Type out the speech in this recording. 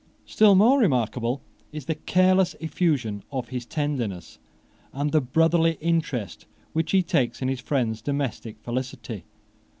Still more remarkable is the careless effusion of his tenderness, and the brotherly interest which he takes in his friend's domestic felicity.